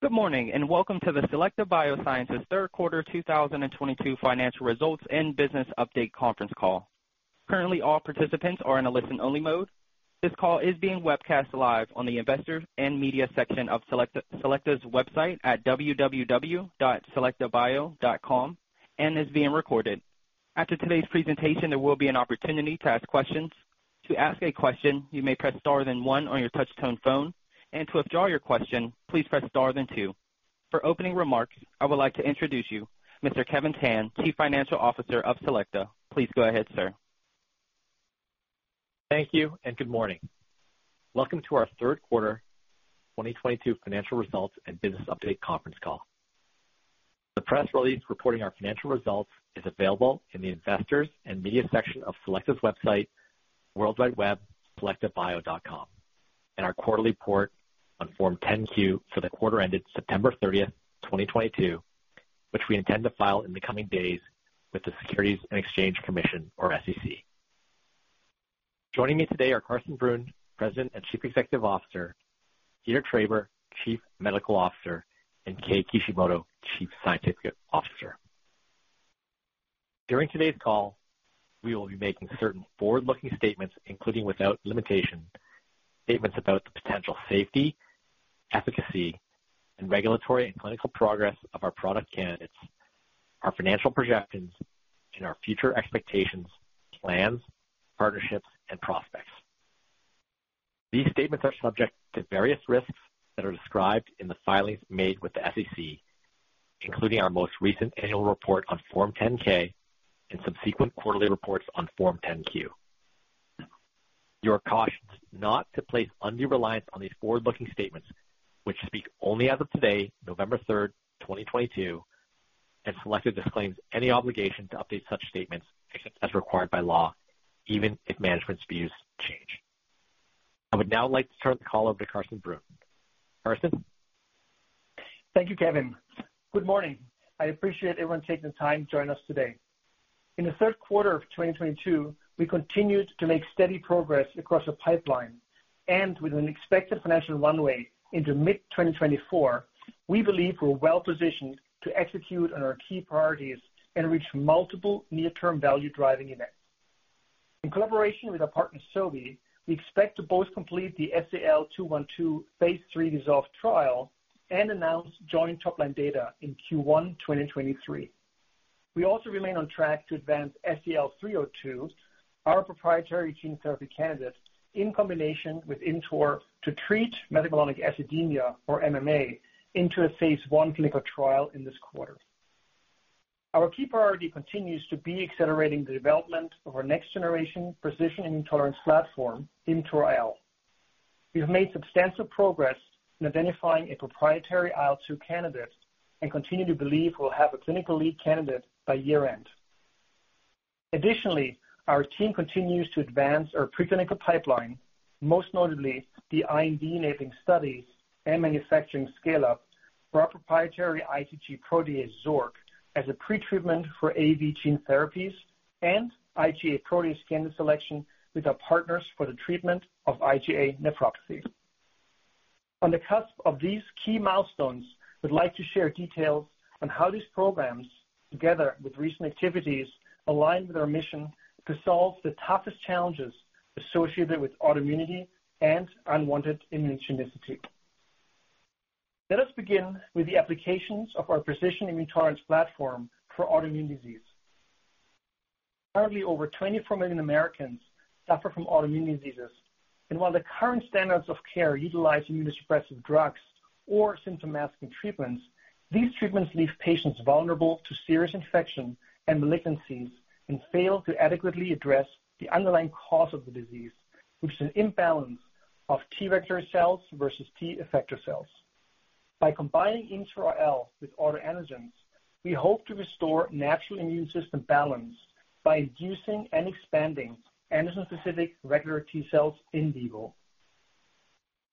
Good morning, and welcome to the Selecta Biosciences third quarter 2022 financial results and business update conference call. Currently, all participants are in a listen-only mode. This call is being webcast live on the Investors and Media section of Selecta's website at www.selectabio.com and is being recorded. After today's presentation, there will be an opportunity to ask questions. To ask a question, you may press star then one on your touch-tone phone, and to withdraw your question, please press star then two. For opening remarks, I would like to introduce you to Mr. Kevin Tan, Chief Financial Officer of Selecta. Please go ahead, sir. Thank you and good morning. Welcome to our third quarter 2022 financial results and business update conference call. The press release reporting our financial results is available in the Investors and Media section of Selecta's website, www.selectabio.com, and our quarterly report on Form 10-Q for the quarter ended September 30, 2022, which we intend to file in the coming days with the Securities and Exchange Commission or SEC. Joining me today are Carsten Brunn, President and Chief Executive Officer, Peter Traber, Chief Medical Officer, and Kei Kishimoto, Chief Scientific Officer. During today's call, we will be making certain forward-looking statements, including without limitation, statements about the potential safety, efficacy, and regulatory and clinical progress of our product candidates, our financial projections, and our future expectations, plans, partnerships, and prospects. These statements are subject to various risks that are described in the filings made with the SEC, including our most recent annual report on Form 10-K and subsequent quarterly reports on Form 10-Q. You are cautioned not to place undue reliance on these forward-looking statements which speak only as of today, November 3, 2022, and Selecta disclaims any obligation to update such statements except as required by law, even if management's views change. I would now like to turn the call over to Carsten Brunn. Carsten. Thank you, Kevin. Good morning. I appreciate everyone taking the time to join us today. In the third quarter of 2022, we continued to make steady progress across the pipeline and with an expected financial runway into mid-2024, we believe we're well-positioned to execute on our key priorities and reach multiple near-term value-driving events. In collaboration with our partner Sobi, we expect to both complete the SEL-212 phase III DISSOLVE trial and announce joint top-line data in Q1 2023. We also remain on track to advance SEL-302, our proprietary gene therapy candidate, in combination with ImmTOR to treat methylmalonic acidemia or MMA into a phase I clinical trial in this quarter. Our key priority continues to be accelerating the development of our next-generation precision immune tolerance platform, ImmTOR-IL. We have made substantial progress in identifying a proprietary IL-2 candidate and continue to believe we'll have a clinical lead candidate by year-end. Additionally, our team continues to advance our pre-clinical pipeline, most notably the IND-enabling studies and manufacturing scale-up for our proprietary IgG protease, Xork, as a pretreatment for AAV gene therapies and IgA protease candidate selection with our partners for the treatment of IgA nephropathy. On the cusp of these key milestones, we'd like to share details on how these programs, together with recent activities, align with our mission to solve the toughest challenges associated with autoimmunity and unwanted immunogenicity. Let us begin with the applications of our precision immune tolerance platform for autoimmune disease. Currently, over 24 million Americans suffer from autoimmune diseases, and while the current standards of care utilize immunosuppressive drugs or symptom masking treatments, these treatments leave patients vulnerable to serious infection and malignancies and fail to adequately address the underlying cause of the disease, which is an imbalance of T regulatory cells versus T effector cells. By combining ImmTOR-IL with autoantigens, we hope to restore natural immune system balance by inducing and expanding antigen-specific regulatory T cells in vivo.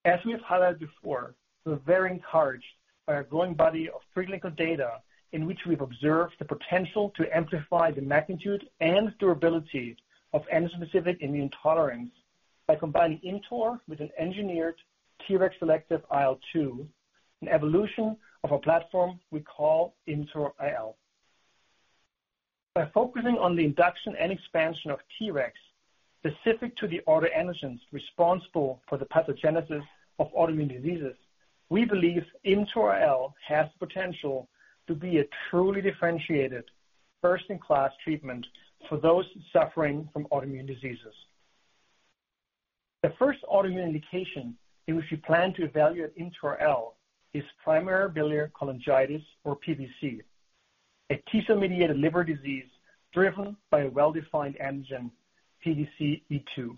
As we have highlighted before, we're very encouraged by our growing body of preclinical data in which we've observed the potential to amplify the magnitude and durability of antigen-specific immune tolerance by combining ImmTOR with an engineered Treg-selective IL-2, an evolution of a platform we call ImmTOR-IL. By focusing on the induction and expansion of Tregs specific to the autoantigens responsible for the pathogenesis of autoimmune diseases, we believe ImmTOR-IL has the potential to be a truly differentiated first-in-class treatment for those suffering from autoimmune diseases. The first autoimmune indication in which we plan to evaluate ImmTOR-IL is primary biliary cholangitis or PBC, a T cell-mediated liver disease driven by a well-defined antigen, PDC-E2.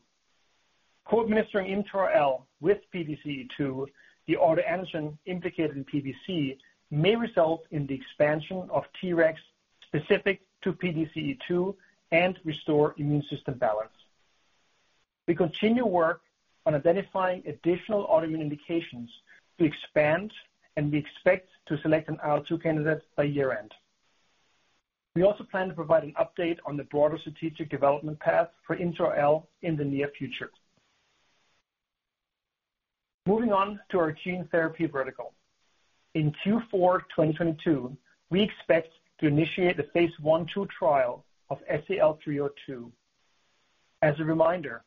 Co-administering ImmTOR-IL with PDC-E2, the autoantigen implicated in PBC, may result in the expansion of Tregs specific to PDC-E2 and restore immune system balance. We continue work on identifying additional autoimmune indications to expand, and we expect to select an IL-2 candidate by year-end. We also plan to provide an update on the broader strategic development path for ImmTOR-IL in the near future. Moving on to our gene therapy vertical. In Q4 2022, we expect to initiate the phase I/II trial of SEL-302. As a reminder,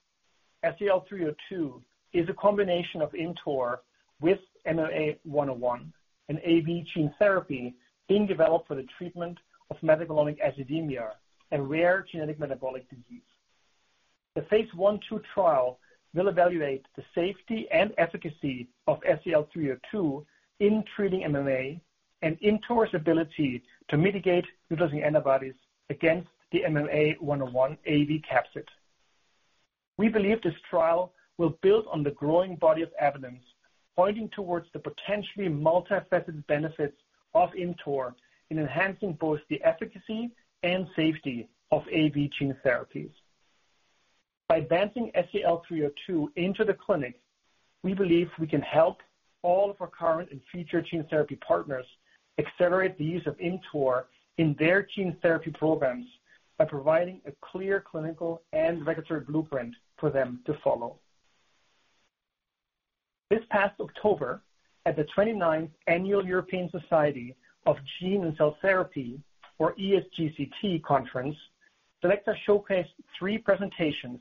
SEL-302 is a combination of ImmTOR with MMA-101, an AAV gene therapy being developed for the treatment of methylmalonic acidemia, a rare genetic metabolic disease. The phase I/II trial will evaluate the safety and efficacy of SEL-302 in treating MMA and ImmTOR's ability to mitigate neutralizing antibodies against the MMA-101 AAV capsid. We believe this trial will build on the growing body of evidence pointing towards the potentially multifaceted benefits of ImmTOR in enhancing both the efficacy and safety of AAV gene therapies. By advancing SEL-302 into the clinic, we believe we can help all of our current and future gene therapy partners accelerate the use of ImmTOR in their gene therapy programs by providing a clear clinical and regulatory blueprint for them to follow. This past October, at the 29th Annual European Society of Gene and Cell Therapy, or ESGCT conference, Selecta showcased three presentations,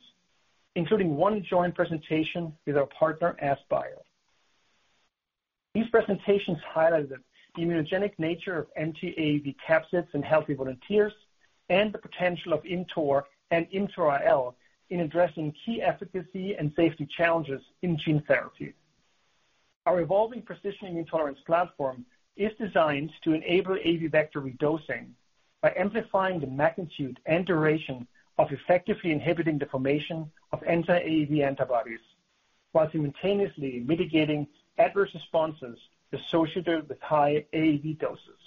including one joint presentation with our partner, AskBio. These presentations highlighted the immunogenic nature of empty AAV capsids in healthy volunteers and the potential of ImmTOR and ImmTOR-IL in addressing key efficacy and safety challenges in gene therapy. Our evolving precision immune tolerance platform is designed to enable AAV vector redosing by amplifying the magnitude and duration of effectively inhibiting the formation of anti-AAV antibodies while simultaneously mitigating adverse responses associated with high AAV doses.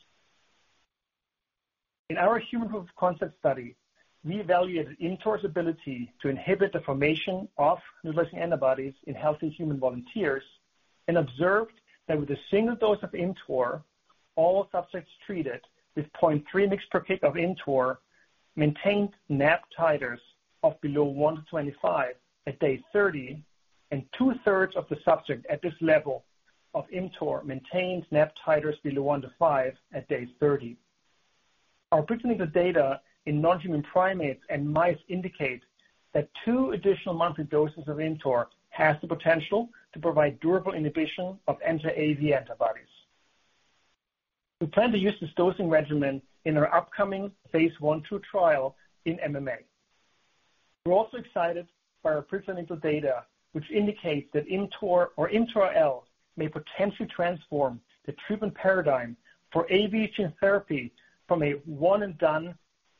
In our human proof-of-concept study, we evaluated ImmTOR's ability to inhibit the formation of neutralizing antibodies in healthy human volunteers and observed that with a single dose of ImmTOR, all subjects treated with 0.3 mg per kg of ImmTOR maintained NAb titers below one to 25 at day 30, and two-thirds of the subjects at this level of ImmTOR maintained NAb titers below one to five at day 30. Our preclinical data in non-human primates and mice indicate that two additional monthly doses of ImmTOR has the potential to provide durable inhibition of anti-AAV antibodies. We plan to use this dosing regimen in our upcoming phase I/III trial in MMA. We're also excited by our preclinical data, which indicates that ImmTOR or ImmTOR-IL may potentially transform the treatment paradigm for AAV gene therapy from a one and done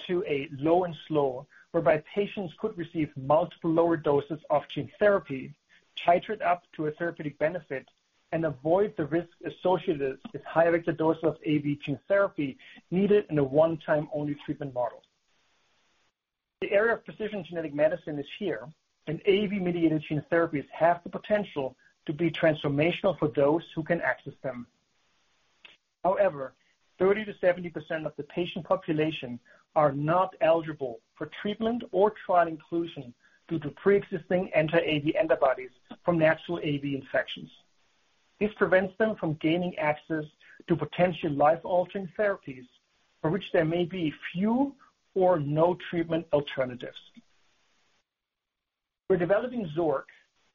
to a low and slow, whereby patients could receive multiple lower doses of gene therapy, titrate up to a therapeutic benefit, and avoid the risk associated with higher doses of AAV gene therapy needed in a one-time-only treatment model. The era of precision genetic medicine is here, and AAV-mediated gene therapies have the potential to be transformational for those who can access them. However, 30%-70% of the patient population are not eligible for treatment or trial inclusion due to preexisting anti-AAV antibodies from natural AAV infections. This prevents them from gaining access to potential life-altering therapies for which there may be few or no treatment alternatives. We're developing Xork,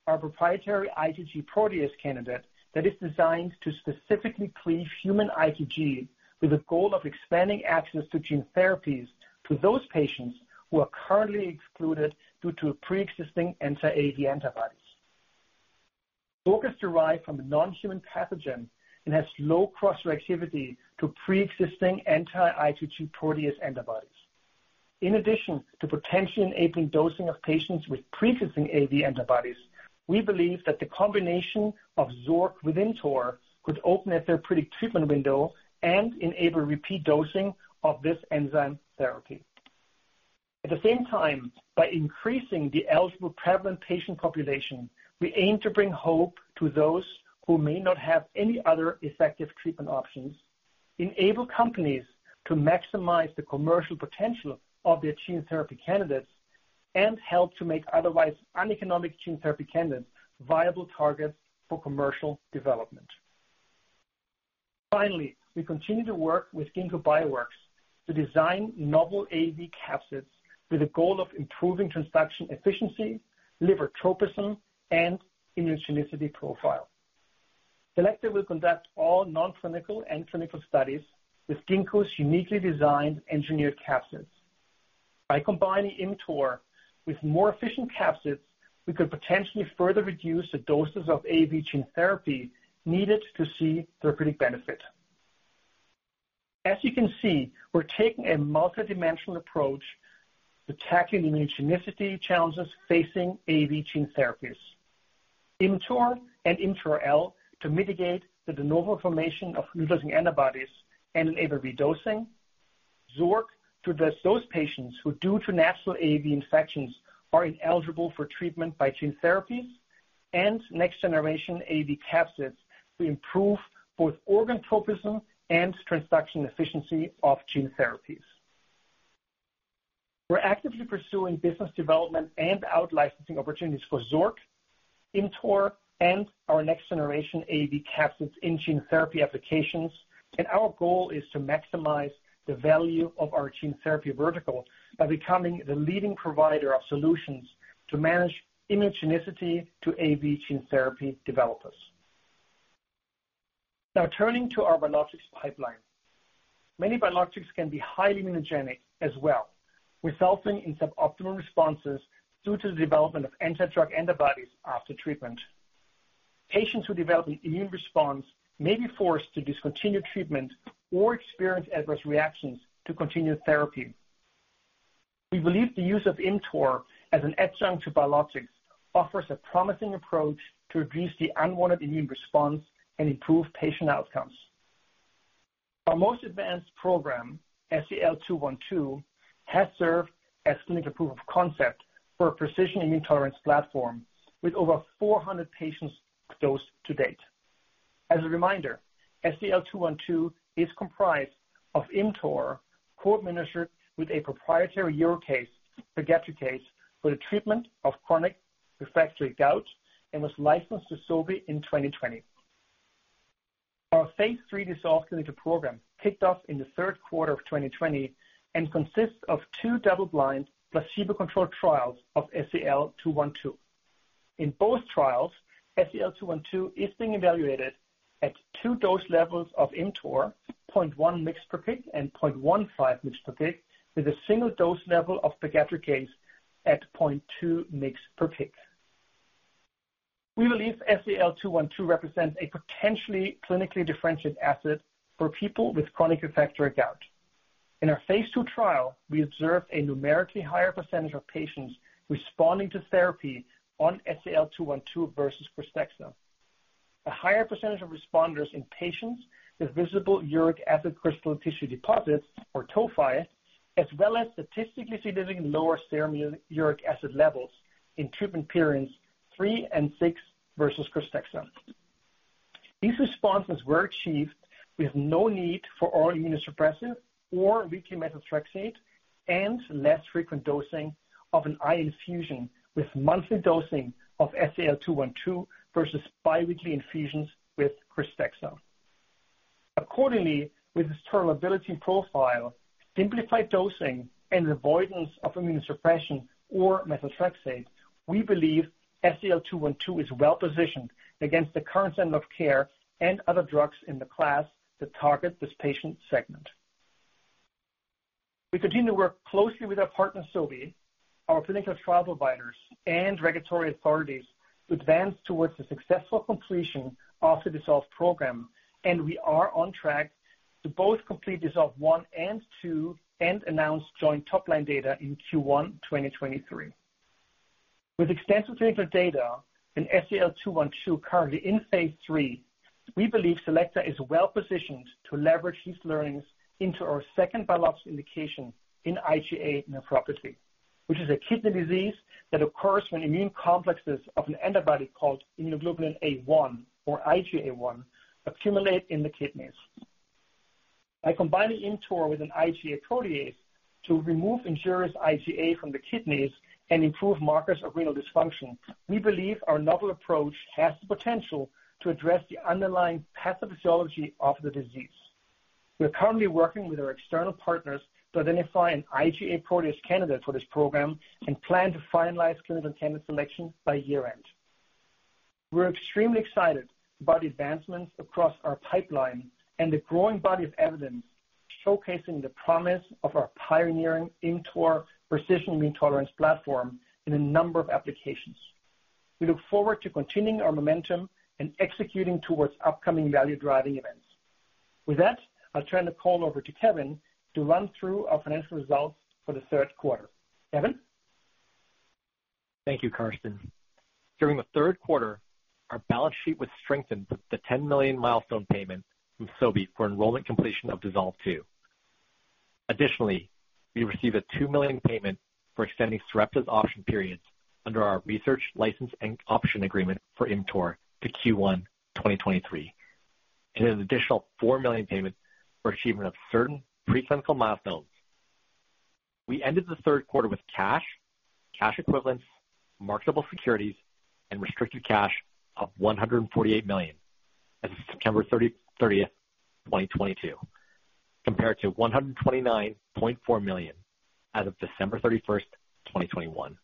our proprietary IgG protease candidate that is designed to specifically cleave human IgG with the goal of expanding access to gene therapies to those patients who are currently excluded due to preexisting anti-AAV antibodies. Xork is derived from a non-human pathogen and has low cross-reactivity to preexisting anti-IgG protease antibodies. In addition to potentially enabling dosing of patients with preexisting AAV antibodies, we believe that the combination of Xork with ImmTOR could open a therapeutic treatment window and enable repeat dosing of this enzyme therapy. At the same time, by increasing the eligible prevalent patient population, we aim to bring hope to those who may not have any other effective treatment options, enable companies to maximize the commercial potential of their gene therapy candidates, and help to make otherwise uneconomic gene therapy candidates viable targets for commercial development. Finally, we continue to work with Ginkgo Bioworks to design novel AAV capsids with the goal of improving transduction efficiency, liver tropism, and immunogenicity profile. Selecta will conduct all non-clinical and clinical studies with Ginkgo's uniquely designed engineered capsids. By combining ImmTOR with more efficient capsids, we could potentially further reduce the doses of AAV gene therapy needed to see therapeutic benefit. As you can see, we're taking a multidimensional approach to tackling the immunogenicity challenges facing AAV gene therapies. ImmTOR and ImmTOR-IL to mitigate the de novo formation of neutralizing antibodies and enable redosing. Xork to address those patients who, due to natural AAV infections, are ineligible for treatment by gene therapies. Next generation AAV capsids to improve both organ tropism and transduction efficiency of gene therapies. We're actively pursuing business development and out-licensing opportunities for Xork, ImmTOR, and our next generation AAV capsids in gene therapy applications. Our goal is to maximize the value of our gene therapy vertical by becoming the leading provider of solutions to manage immunogenicity to AAV gene therapy developers. Now turning to our biologics pipeline. Many biologics can be highly immunogenic as well, resulting in suboptimal responses due to the development of anti-drug antibodies after treatment. Patients who develop an immune response may be forced to discontinue treatment or experience adverse reactions to continued therapy. We believe the use of ImmTOR as an adjunct to biologics offers a promising approach to reduce the unwanted immune response and improve patient outcomes. Our most advanced program, SEL-212, has served as clinical proof of concept for a precision immune tolerance platform with over 400 patients dosed to date. As a reminder, SEL-212 is comprised of ImmTOR co-administered with a proprietary uricase, pegadricase, for the treatment of chronic refractory gout, and was licensed to Sobi in 2020. Our phase III DISSOLVE clinical program kicked off in the third quarter of 2020 and consists of two double-blind placebo-controlled trials of SEL-212. In both trials, SEL-212 is being evaluated at two dose levels of ImmTOR, 0.1 mg/kg and 0.15 mg/kg, with a single dose level of pegadricase at 0.2 mg/kg. We believe SEL-212 represents a potentially clinically differentiated asset for people with chronic refractory gout. In our phase II trial, we observed a numerically higher percentage of patients responding to therapy on SEL-212 versus Krystexxa. A higher percentage of responders in patients with visible uric acid crystal tissue deposits, or tophi, as well as statistically significant lower serum uric acid levels in treatment periods three and six versus Krystexxa. These responses were achieved with no need for oral immunosuppressive or weekly methotrexate and less frequent dosing of an IV infusion with monthly dosing of SEL-212 versus biweekly infusions with Krystexxa. Accordingly, with its tolerability profile, simplified dosing, and avoidance of immunosuppression or methotrexate, we believe SEL-212 is well-positioned against the current standard of care and other drugs in the class that target this patient segment. We continue to work closely with our partner, Sobi, our clinical trial providers, and regulatory authorities to advance towards the successful completion of the DISSOLVE program, and we are on track to both complete DISSOLVE one and two and announce joint top-line data in Q1 2023. With extensive clinical data and SEL-212 currently in phase III, we believe Selecta is well-positioned to leverage these learnings into our second biologics indication in IgA nephropathy, which is a kidney disease that occurs when immune complexes of an antibody called immunoglobulin A1, or IgA1, accumulate in the kidneys. By combining ImmTOR with an IgA protease to remove injurious IgA from the kidneys and improve markers of renal dysfunction, we believe our novel approach has the potential to address the underlying pathophysiology of the disease. We are currently working with our external partners to identify an IgA protease candidate for this program and plan to finalize clinical candidate selection by year-end. We're extremely excited about the advancements across our pipeline and the growing body of evidence showcasing the promise of our pioneering ImmTOR precision immune tolerance platform in a number of applications. We look forward to continuing our momentum and executing towards upcoming value-driving events. With that, I'll turn the call over to Kevin to run through our financial results for the third quarter. Kevin? Thank you, Carsten. During the third quarter, our balance sheet was strengthened with the $10 million milestone payment from Sobi for enrollment completion of DISSOLVE 2. Additionally, we received a $2 million payment for extending Sarepta's option periods under our research license and option agreement for ImmTOR to Q1 2023, and an additional $4 million payment for achievement of certain preclinical milestones. We ended the third quarter with cash equivalents, marketable securities, and restricted cash of $148 million as of September 30, 2022, compared to $129.4 million as of December 31, 2021.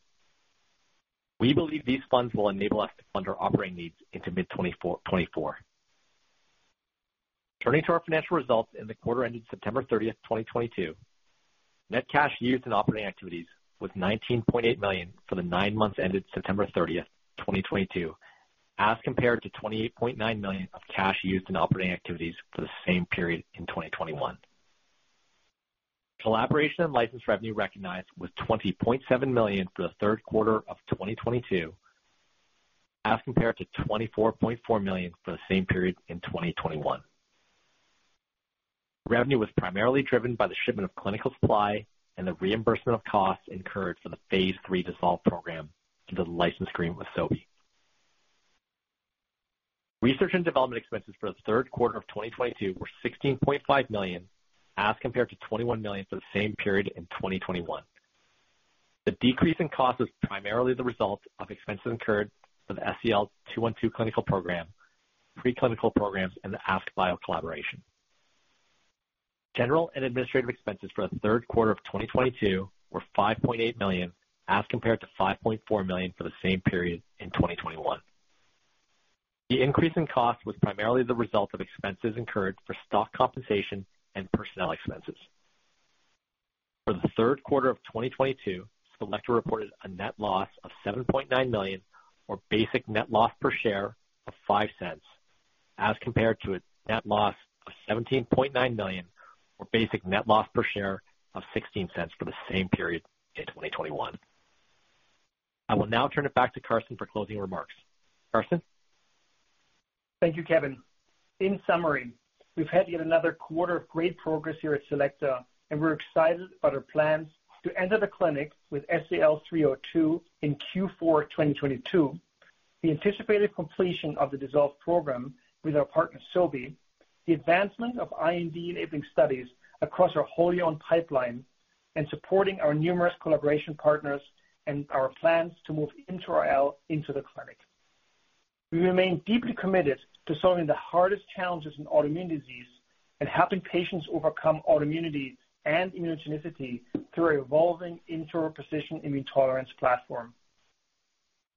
We believe these funds will enable us to fund our operating needs into mid-2024. Turning to our financial results in the quarter ending September 30, 2022, net cash used in operating activities was $19.8 million for the nine months ended September 30, 2022, as compared to $28.9 million of cash used in operating activities for the same period in 2021. Collaboration and license revenue recognized was $20.7 million for the third quarter of 2022, as compared to $24.4 million for the same period in 2021. Revenue was primarily driven by the shipment of clinical supply and the reimbursement of costs incurred for the phase III DISSOLVE program under the license agreement with Sobi. Research and development expenses for the third quarter of 2022 were $16.5 million as compared to $21 million for the same period in 2021. The decrease in cost is primarily the result of expenses incurred for the SEL-212 clinical program, pre-clinical programs and the AskBio collaboration. General and administrative expenses for the third quarter of 2022 were $5.8 million as compared to $5.4 million for the same period in 2021. The increase in cost was primarily the result of expenses incurred for stock compensation and personnel expenses. For the third quarter of 2022, Selecta reported a net loss of $7.9 million or basic net loss per share of $0.05, as compared to a net loss of $17.9 million or basic net loss per share of $0.16 for the same period in 2021. I will now turn it back to Carsten Brunn for closing remarks. Carsten Brunn. Thank you, Kevin. In summary, we've had yet another quarter of great progress here at Selecta, and we're excited about our plans to enter the clinic with SEL-302 in Q4 2022. The anticipated completion of the DISSOLVE program with our partner Sobi, the advancement of IND-enabling studies across our wholly-owned pipeline and supporting our numerous collaboration partners and our plans to move ImmTOR-IL into the clinic. We remain deeply committed to solving the hardest challenges in autoimmune disease and helping patients overcome autoimmunity and immunogenicity through our evolving ImmTOR immune tolerance platform.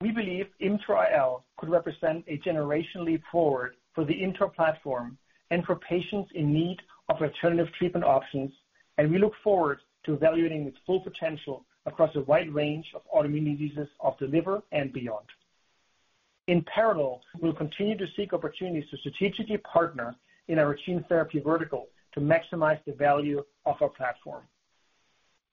We believe ImmTOR-IL could represent a generation leap forward for the ImmTOR platform and for patients in need of alternative treatment options, and we look forward to evaluating its full potential across a wide range of autoimmune diseases of the liver and beyond. In parallel, we'll continue to seek opportunities to strategically partner in our routine therapy vertical to maximize the value of our platform.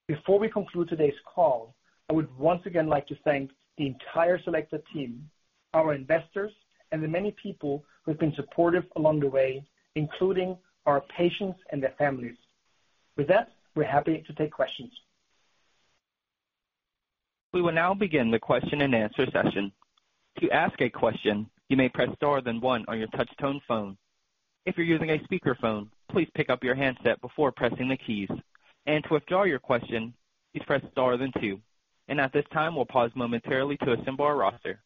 Before we conclude today's call, I would once again like to thank the entire Selecta team, our investors, and the many people who have been supportive along the way, including our patients and their families. With that, we're happy to take questions. We will now begin the question-and-answer session. To ask a question, you may press star then one on your touch tone phone. If you're using a speakerphone, please pick up your handset before pressing the keys. To withdraw your question, please press star then two. At this time, we'll pause momentarily to assemble our roster.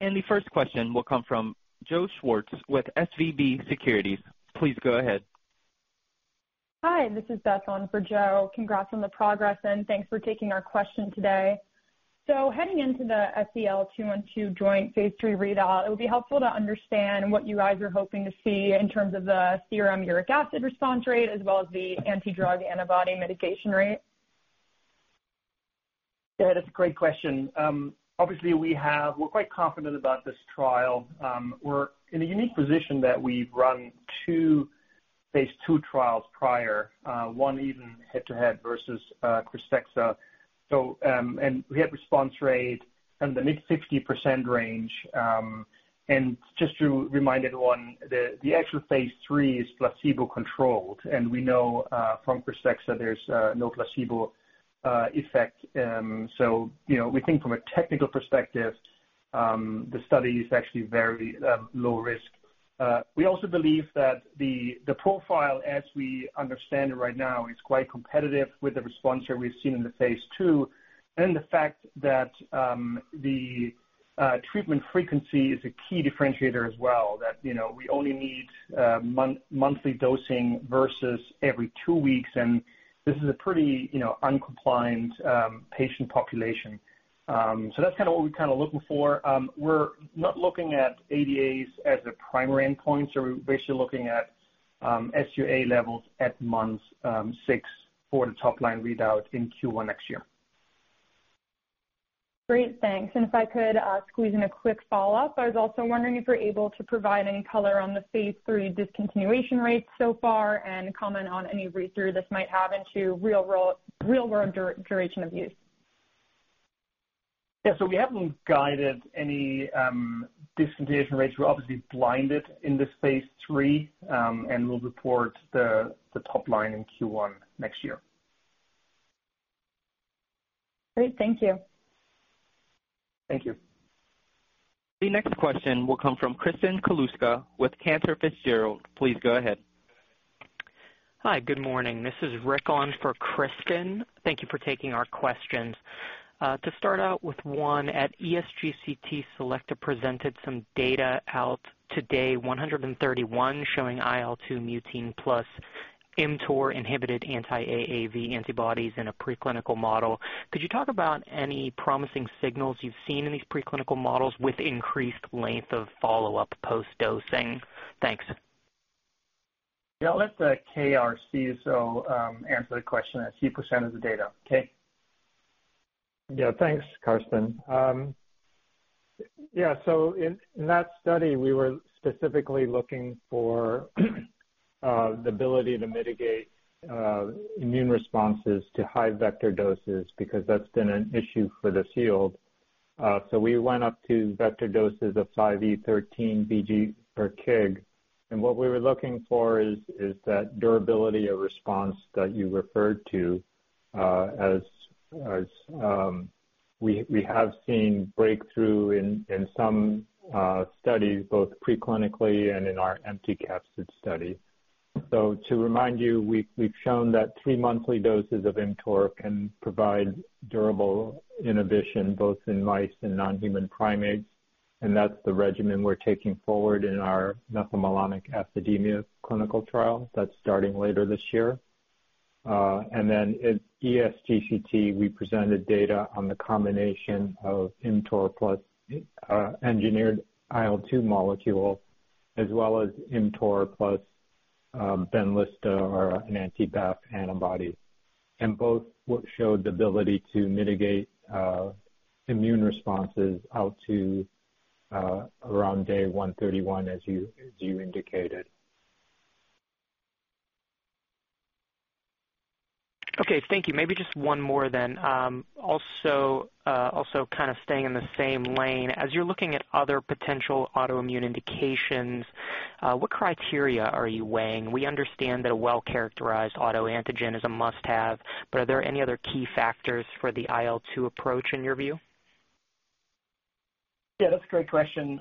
The first question will come from Joseph Schwartz with SVB Securities. Please go ahead. Hi, this is Beth on for Joe. Congrats on the progress and thanks for taking our question today. Heading into the SEL-212 joint phase III readout, it would be helpful to understand what you guys are hoping to see in terms of the serum uric acid response rate as well as the anti-drug antibody mitigation rate. Yeah, that's a great question. Obviously we're quite confident about this trial. We're in a unique position that we've run two phase II trials prior, one even head to head versus Krystexxa. We had response rate in the mid-60% range. Just to remind everyone, the actual phase III is placebo-controlled, and we know from Krystexxa there's no placebo effect. You know, we think from a technical perspective, the study is actually very low risk. We also believe that the profile as we understand it right now is quite competitive with the response that we've seen in the phase II, and the fact that the treatment frequency is a key differentiator as well, that you know we only need monthly dosing versus every two weeks, and this is a pretty you know noncompliant patient population. That's kinda what we're kinda looking for. We're not looking at ADAs as a primary endpoint, so we're basically looking at SUA levels at month six for the top line readout in Q1 next year. Great. Thanks. If I could squeeze in a quick follow-up, I was also wondering if you're able to provide any color on the phase III discontinuation rates so far and comment on any read-through this might have into real world duration of use. Yeah. We haven't guided any discontinuation rates. We're obviously blinded in this phase III, and we'll report the top line in Q1 next year. Great. Thank you. Thank you. The next question will come from Kristen Kluska with Cantor Fitzgerald. Please go ahead. Hi. Good morning. This is Rick on for Kristen. Thank you for taking our questions. To start out with one, at ESGCT Select presented some data out today, 131, showing IL-2 mutein plus ImmTOR-inhibited anti-AAV antibodies in a pre-clinical model. Could you talk about any promising signals you've seen in these pre-clinical models with increased length of follow-up post-dosing? Thanks. Yeah. I'll let Kristen see, so answer the question. I see you presented the data. Kei? Thanks, Carsten. In that study, we were specifically looking for the ability to mitigate immune responses to high vector doses because that's been an issue for this field. We went up to vector doses of 5 × 10^13 vg per kg. What we were looking for is that durability of response that you referred to as we have seen breakthrough in some studies, both preclinically and in our empty capsid study. To remind you, we've shown that three monthly doses of ImmTOR can provide durable inhibition, both in mice and non-human primates. That's the regimen we're taking forward in our methylmalonic acidemia clinical trial. That's starting later this year. Then at ESGCT, we presented data on the combination of ImmTOR plus an engineered IL-2 molecule as well as ImmTOR plus Benlysta or an anti-BAFF antibody. Both showed the ability to mitigate immune responses out to around day 131, as you indicated. Okay. Thank you. Maybe just one more then. Also kind of staying in the same lane. As you're looking at other potential autoimmune indications, what criteria are you weighing? We understand that a well-characterized autoantigen is a must-have, but are there any other key factors for the IL-2 approach in your view? Yeah, that's a great question.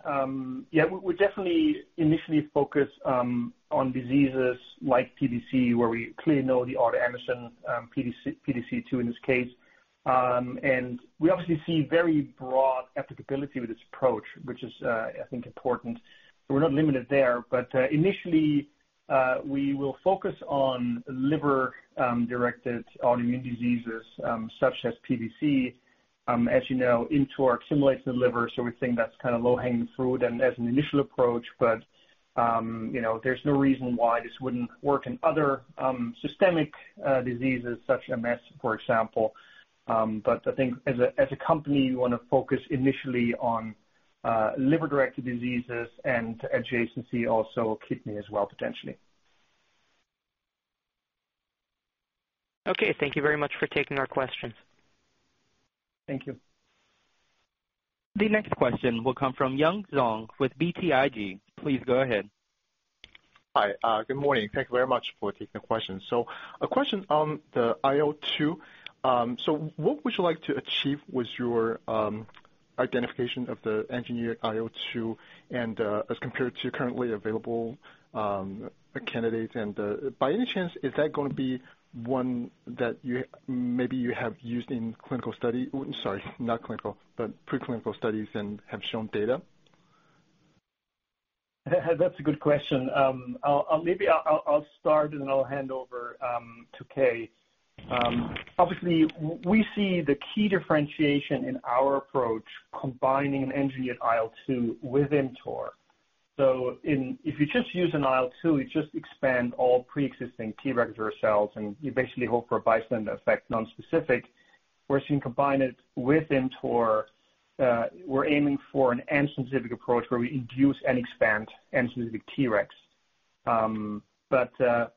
Yeah, we're definitely initially focused on diseases like PBC where we clearly know the autoantigen, PDC-E2 in this case. We obviously see very broad applicability with this approach, which is, I think important. We're not limited there, but initially, we will focus on liver-directed autoimmune diseases, such as PBC. As you know, ImmTOR accumulates in the liver, so we think that's kind of low-hanging fruit and as an initial approach. You know, there's no reason why this wouldn't work in other, systemic diseases such as MS, for example. I think as a company, we wanna focus initially on liver-directed diseases and adjacency also kidney as well, potentially. Okay. Thank you very much for taking our questions. Thank you. The next question will come from Yun Zhong with BTIG. Please go ahead. Hi. Good morning. Thank you very much for taking the question. A question on the IL-2. What would you like to achieve with your identification of the engineered IL-2 and as compared to currently available candidates? By any chance, is that gonna be one that you maybe have used in preclinical studies and have shown data? That's a good question. I'll start and then I'll hand over to Kei. We see the key differentiation in our approach combining an engineered IL-2 with ImmTOR. If you just use an IL-2, you just expand all pre-existing T regulatory cells, and you basically hope for a bystander effect, nonspecific. Whereas you can combine it with ImmTOR, we're aiming for an antigen-specific approach where we induce and expand antigen-specific Tregs.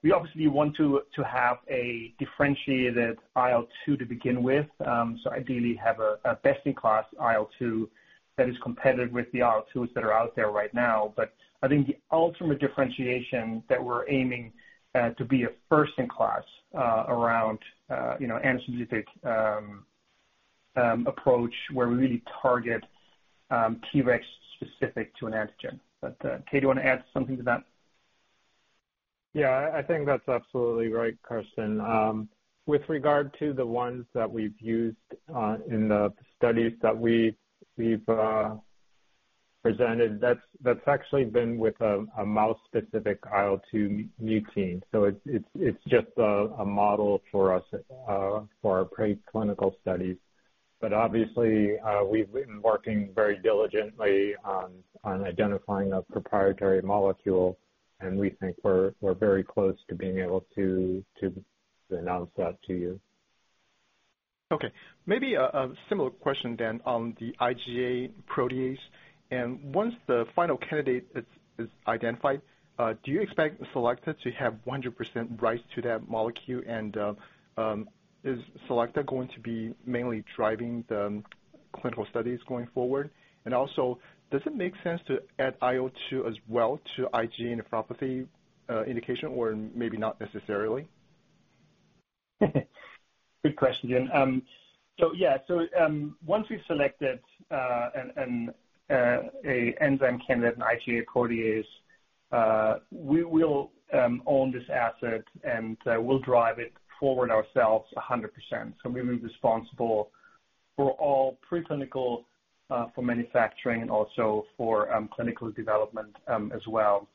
We obviously want to have a differentiated IL-2 to begin with. Ideally have a best-in-class IL-2 that is competitive with the IL-2s that are out there right now. I think the ultimate differentiation that we're aiming to be a first-in-class around antigen-specific approach where we really target Tregs specific to an antigen. Kei, do you wanna add something to that? Yeah, I think that's absolutely right, Carsten. With regard to the ones that we've used in the studies that we've presented, that's actually been with a mouse-specific IL-2 mutein. It's just a model for us for our pre-clinical studies. Obviously, we've been working very diligently on identifying a proprietary molecule, and we think we're very close to being able to announce that to you. Maybe a similar question on the IgA protease. Once the final candidate is identified, do you expect Selecta to have 100% rights to that molecule? Is Selecta going to be mainly driving the clinical studies going forward? Does it make sense to add IL-2 as well to IgA nephropathy indication, or maybe not necessarily? Good question, Yung. Yeah. Once we've selected an enzyme candidate, an IgA protease, we will own this asset, and we'll drive it forward ourselves 100%. We'll be responsible for all pre-clinical, for manufacturing and also for clinical development, as well.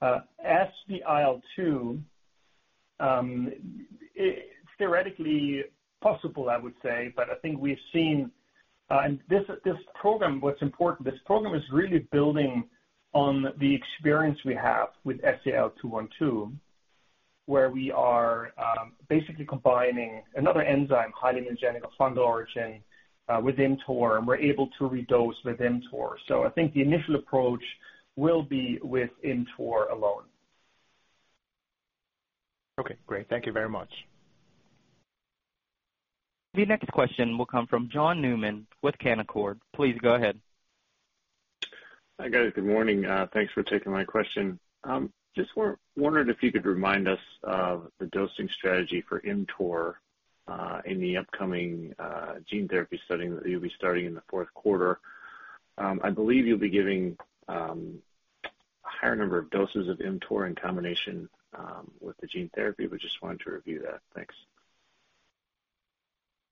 As the IL-2, it's theoretically possible, I would say, but I think we've seen. This program, what's important, this program is really building on the experience we have with SEL-212, where we are basically combining another enzyme, highly immunogenic of fungal origin, with ImmTOR, and we're able to redose with ImmTOR. I think the initial approach will be with ImmTOR alone. Okay, great. Thank you very much. The next question will come from John Newman with Canaccord Genuity. Please go ahead. Hi, guys. Good morning. Thanks for taking my question. Just wondered if you could remind us of the dosing strategy for ImmTOR in the upcoming gene therapy study that you'll be starting in the fourth quarter. I believe you'll be giving a higher number of doses of ImmTOR in combination with the gene therapy, but just wanted to review that. Thanks.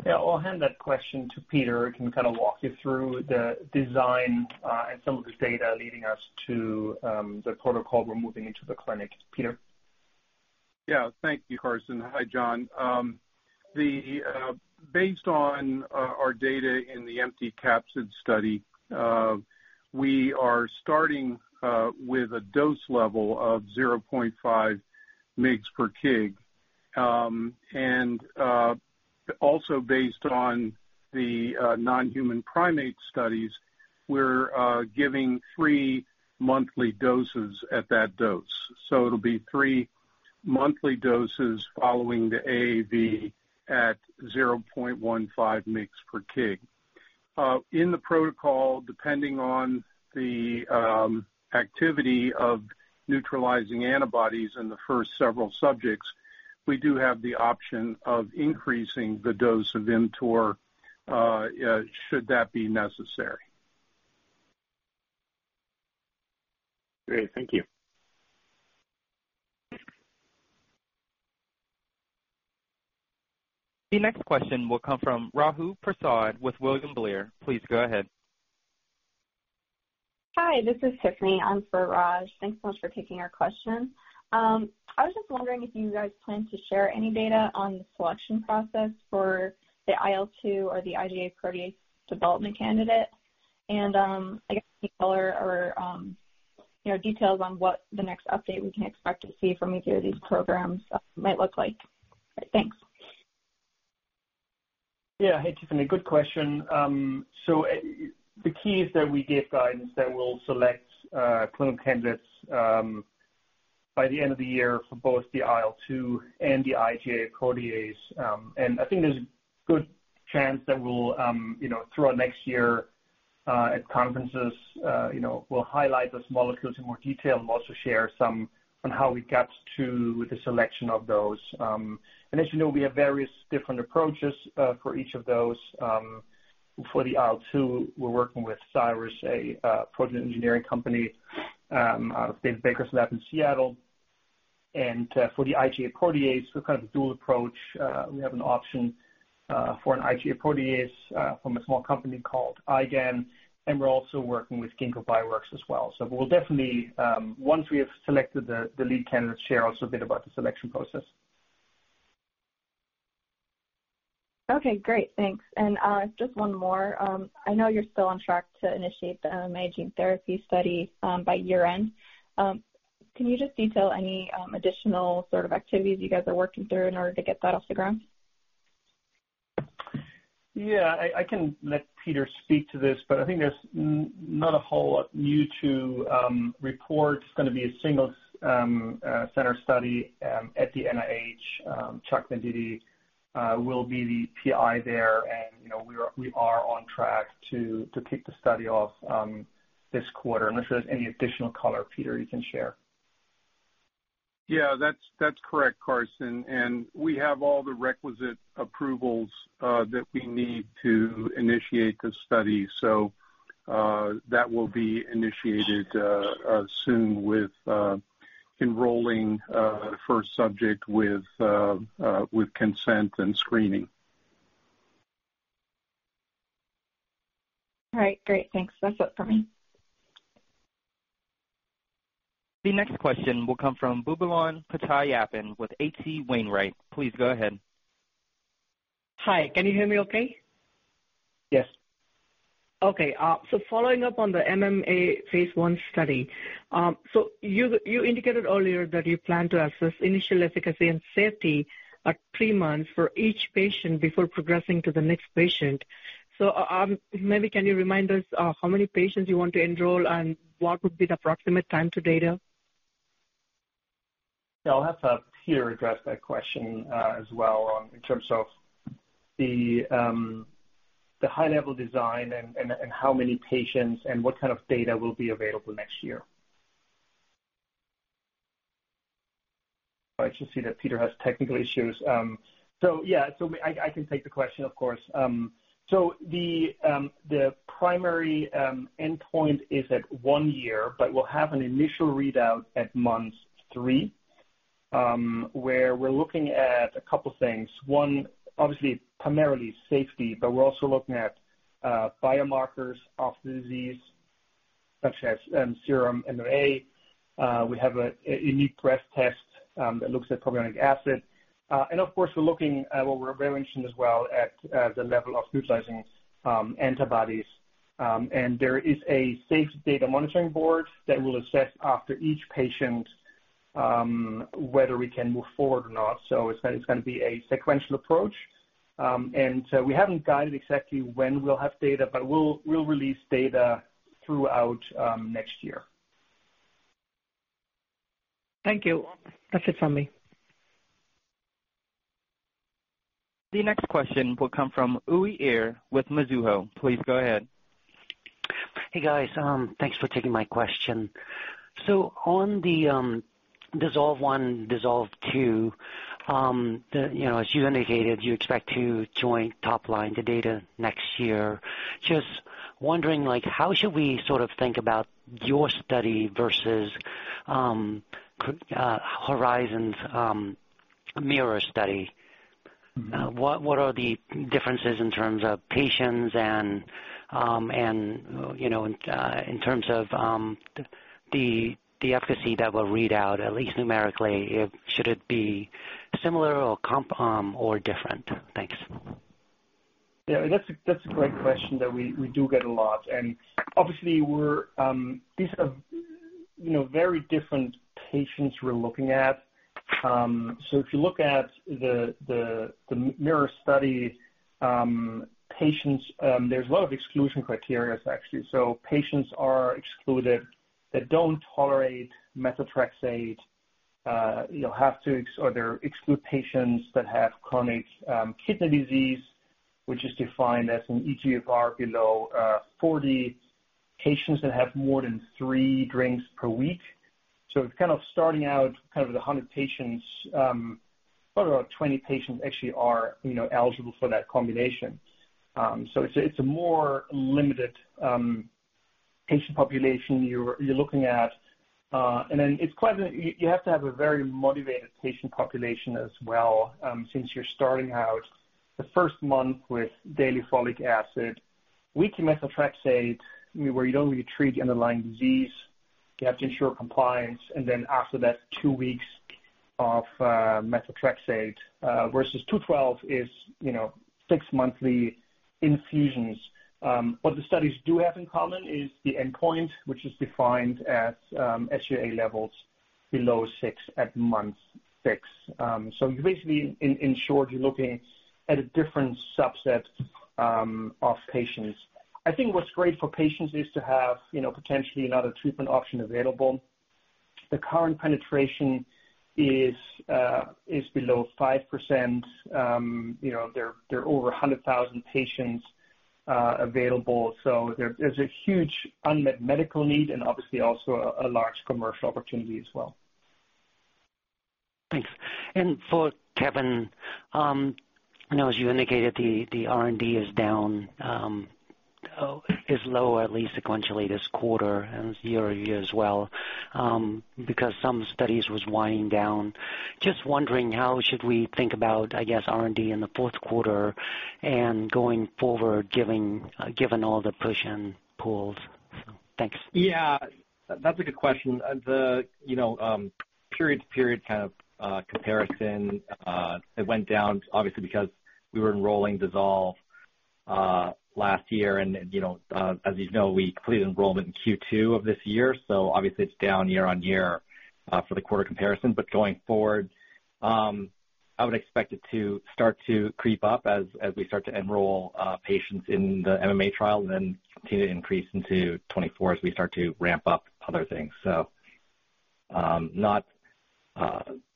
Yeah. I'll hand that question to Peter, who can kinda walk you through the design, and some of the data leading us to the protocol we're moving into the clinic. Peter? Yeah. Thank you, Carsten. Hi, John. Based on our data in the empty capsid study, we are starting with a dose level of 0.5 mg per kg. Also based on the non-human primate studies, we're giving three monthly doses at that dose. It'll be three monthly doses following the AAV at 0.15 mg per kg. In the protocol, depending on the activity of neutralizing antibodies in the first several subjects, we do have the option of increasing the dose of ImmTOR, should that be necessary. Great. Thank you. The next question will come from Raju Prasad with William Blair. Please go ahead. Hi, this is Tiffany. I'm for Raj. Thanks so much for taking our question. I was just wondering if you guys plan to share any data on the selection process for the IL-2 or the IgA protease development candidate and, I guess any color or, you know, details on what the next update we can expect to see from either of these programs, might look like. Thanks. Yeah. Hey, Tiffany. Good question. The key is that we give guidance that we'll select clinical candidates by the end of the year for both the IL-2 and the IgA protease. I think there's a good chance that we'll you know, throughout next year, at conferences, you know, we'll highlight those molecules in more detail and also share some on how we got to the selection of those. As you know, we have various different approaches for each of those. For the IL-2, we're working with Cyrus Biotechnology, a protein engineering company, out of Dave Baker's lab in Seattle. For the IgA protease, we've kind of a dual approach. We have an option for an IgA protease from a small company called Igen, and we're also working with Ginkgo Bioworks as well. We'll definitely, once we have selected the lead candidates, share also a bit about the selection process. Okay, great. Thanks. Just one more. I know you're still on track to initiate the MMA gene therapy study by year-end. Can you just detail any additional sort of activities you guys are working through in order to get that off the ground? Yeah. I can let Peter speak to this, but I think there's not a whole lot new to report. It's gonna be a single center study at the NIH. Chuck Venditti will be the PI there. You know, we are on track to kick the study off this quarter, unless there's any additional color, Peter, you can share. Yeah. That's correct, Carsten. We have all the requisite approvals that we need to initiate the study. That will be initiated soon with enrolling the first subject with consent and screening. All right. Great. Thanks. That's it for me. The next question will come from Boobalan Pachaiyappan with H.C. Wainwright. Please go ahead. Hi. Can you hear me okay? Yes. Okay. Following up on the MMA phase one study. You indicated earlier that you plan to assess initial efficacy and safety at three months for each patient before progressing to the next patient. Maybe can you remind us how many patients you want to enroll and what would be the approximate time to data? Yeah. I'll have Peter address that question as well in terms of the high level design and how many patients and what kind of data will be available next year. I just see that Peter has technical issues. Yeah. I can take the question, of course. The primary endpoint is at one year, but we'll have an initial readout at month three where we're looking at a couple things. One, obviously primarily safety, but we're also looking at biomarkers of the disease such as serum MMA. We have a unique breath test that looks at propionic acid. Of course, we're looking at what Raj mentioned as well, at the level of neutralizing antibodies. There is a safety data monitoring board that will assess after each patient whether we can move forward or not. It's gonna be a sequential approach. We haven't guided exactly when we'll have data, but we'll release data throughout next year. Thank you. That's it from me. The next question will come from Uy Ear with Mizuho. Please go ahead. Hey, guys. Thanks for taking my question. On the DISSOLVE I, DISSOLVE II, you know, as you indicated, you expect topline data next year. Just wondering, like how should we sort of think about your study versus Horizon's MIRROR study? What are the differences in terms of patients and, you know, in terms of the efficacy that will read out at least numerically? Should it be similar or comparable or different? Thanks. Yeah, that's a great question that we do get a lot. Obviously these are, you know, very different patients we're looking at. If you look at the MIRROR study patients, there's a lot of exclusion criteria actually. Patients are excluded that don't tolerate methotrexate. Or they'll exclude patients that have chronic kidney disease, which is defined as an eGFR below 40. Patients that have more than 3 drinks per week. It's kind of starting out kind of the 100 patients, probably about 20 patients actually are, you know, eligible for that combination. It's a more limited patient population you're looking at. You have to have a very motivated patient population as well, since you're starting out the first month with daily folic acid. Weekly methotrexate, where you don't really treat the underlying disease, you have to ensure compliance and then after that two weeks of methotrexate versus SEL-212 is, you know, six monthly infusions. What the studies do have in common is the endpoint, which is defined as SUA levels below 6 at month 6. So you basically in short, you're looking at a different subset of patients. I think what's great for patients is to have, you know, potentially another treatment option available. The current penetration is below 5%. You know, there are over 100,000 patients available. there's a huge unmet medical need and obviously also a large commercial opportunity as well. Thanks. For Kevin, I know as you indicated, the R&D is down, is low at least sequentially this quarter and year-over-year as well, because some studies was winding down. Just wondering how should we think about, I guess, R&D in the fourth quarter and going forward given all the push and pulls? Thanks. Yeah, that's a good question. The period-to-period comparison it went down obviously because we were enrolling DISSOLVE last year. As you know, we completed enrollment in Q2 of this year, so obviously it's down year-on-year for the quarter comparison. Going forward, I would expect it to start to creep up as we start to enroll patients in the MMA trial and then continue to increase into 2024 as we start to ramp up other things. Not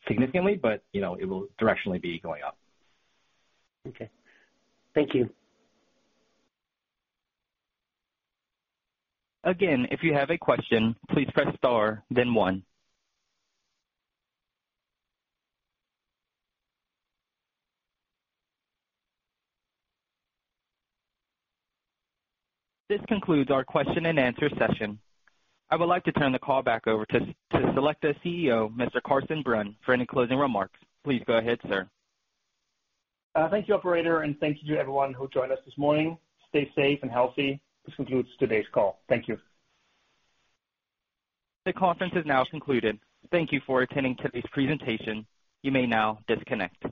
significantly, it will directionally be going up. Okay. Thank you. Again, if you have a question, please press star then one. This concludes our question and answer session. I would like to turn the call back over to Carsten CEO, Mr. Carsten Brunn, for any closing remarks. Please go ahead, sir. Thank you, operator, and thank you to everyone who joined us this morning. Stay safe and healthy. This concludes today's call. Thank you. The conference is now concluded. Thank you for attending today's presentation. You may now disconnect.